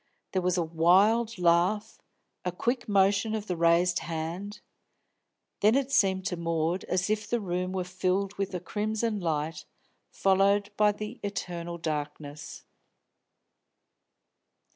There was a wild laugh, a quick motion of the raised hand then it seemed to Maud as if the room were filled with a crimson light, followed by the eternal darkness.